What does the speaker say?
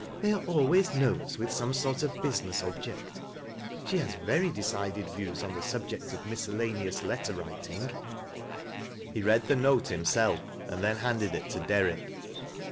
They ai'e always notes with some sjrt of business object. She has very decided views on the subject *f miscellaneous letter writing " A DIFFICULT 0A8S. 7 H.fl read the note himself and then handed it tc Derrick.